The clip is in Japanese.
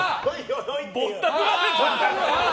ぼったくられた。